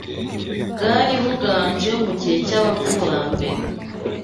bwari buganje mu gihe cy’abakurambere